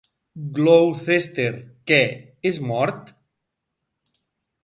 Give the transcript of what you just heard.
"Gloucester": Què, és mort?